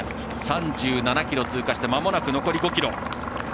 ３７ｋｍ通過してまもなく残り５ｋｍ。